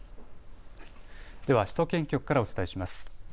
では首都圏局からお伝えします。